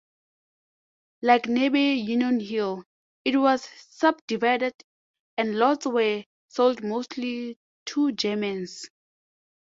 Like nearby Union Hill, it was subdivided and lots were sold mostly to Germans.